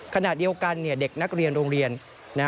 ขณะเดียวกันเด็กนักเรียนโรงเรียน